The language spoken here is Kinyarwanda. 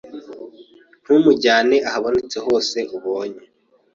ntumujyanye ahabonetse hose ubonye .